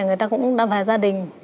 người ta cũng đã về gia đình